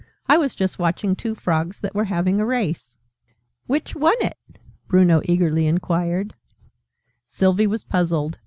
"I was just watching two Frogs that were having a race." "Which won it?" Bruno eagerly inquired. Sylvie was puzzled.